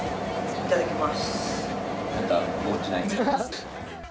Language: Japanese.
いただきます。